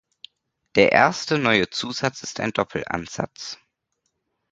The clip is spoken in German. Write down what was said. Der erste neue Zusatz ist ein Doppelansatz.